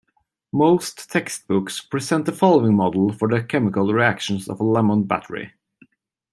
Most textbooks present the following model for the chemical reactions of a lemon battery.